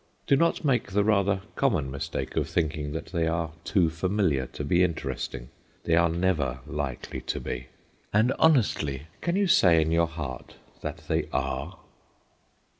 Do not make the rather common mistake of thinking that they are too familiar to be interesting; they are never likely to be. And, honestly, can you say in your heart that they are?